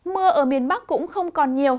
mưa ở miền bắc cũng không còn nhiều